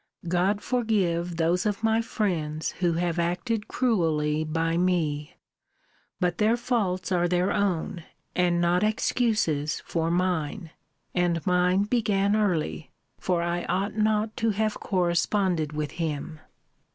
God forgive those of my friends who have acted cruelly by me! But their faults are their own, and not excuses for mine. And mine began early: for I ought not to have corresponded with him.